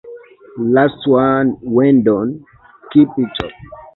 She was the first black woman to write a play performed on Broadway.